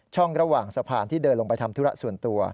ระหว่างสะพานที่เดินลงไปทำธุระส่วนตัว